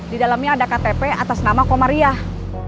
di dalamnya ada ktp atas nama komariah